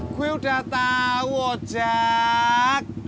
gue udah tau jak